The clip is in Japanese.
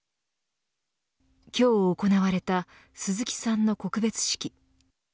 今日行われた鈴木さんの告別式。